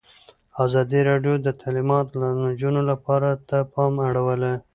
ازادي راډیو د تعلیمات د نجونو لپاره ته پام اړولی.